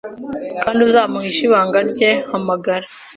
kandi uzamuhishe ibanga rye Hamagara